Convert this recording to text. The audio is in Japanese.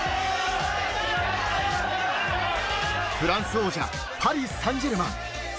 フランス王者パリ・サンジェルマン。